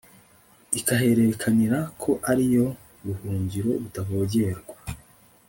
ikaherekanira ko ari yo buhungiro butavogerwa